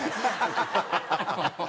ハハハハ！